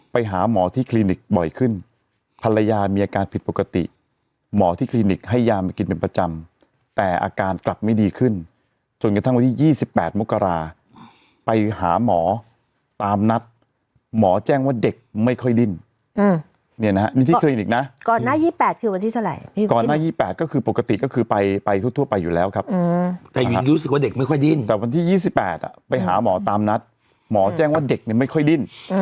ไปหาหมอที่คลินิกบ่อยขึ้นภรรยามีอาการผิดปกติหมอที่คลินิกให้ยามันกินเป็นประจำแต่อาการกลับไม่ดีขึ้นจนกระทั่งวันที่๒๘มกราไปหาหมอตามนัดหมอแจ้งว่าเด็กไม่ค่อยดิ้นนี่นะครับนี่ที่คลินิกนะก่อนหน้า๒๘คือวันที่เท่าไหร่ก่อนหน้า๒๘ก็คือปกติก็คือไปทั่วไปอยู่แล้วครับแต่ยังรู้สึกว่าเด็กไม